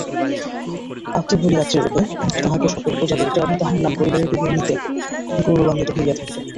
আত্মবলিদাত্রীরূপে তাঁহাকে সকলে পূজা করিত এবং তাঁহার নাম পরিবারের বিবরণীতে গৌরবান্বিত হইয়া থাকিত।